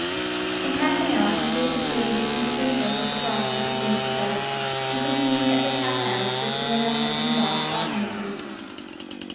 In half an hour he gave the patient a few spoonfuls of the broth which had been prepared, and continued every half hour to give him the lemonade and broth alternately.